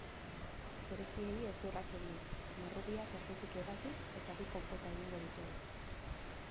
Gereziei hezurra kendu, marrubiak erditik ebaki eta bi konpota egingo ditugu.